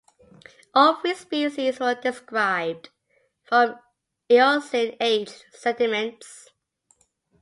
All three species were described from Eocene aged sediments.